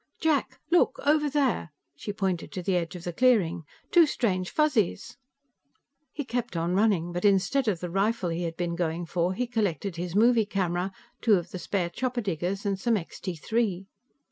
"Jack! Look, over there!" She pointed to the edge of the clearing. "Two strange Fuzzies!" He kept on running, but instead of the rifle he had been going for, he collected his movie camera, two of the spare chopper diggers and some Extee Three.